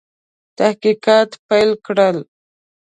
تحقیقات پیل کړل.